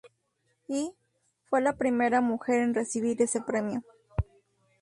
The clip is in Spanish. Y, fue la primera mujer en recibir ese premio.